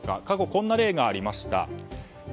過去にこんな例がありました。